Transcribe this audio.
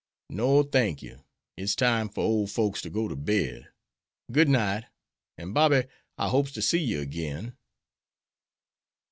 "No, I thank you. It's time fer ole folks to go to bed. Good night! An', Bobby, I hopes to see you agin'."